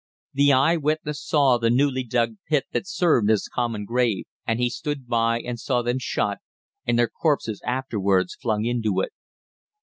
The eye witness saw the newly dug pit that served as common grave, and he stood by and saw them shot and their corpses afterwards flung into it.